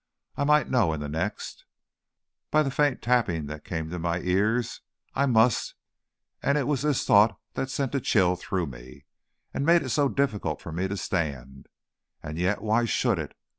I might know in the next. By the faint tapping that came to my ears I must and it was this thought that sent a chill through me, and made it so difficult for me to stand. And yet why should it?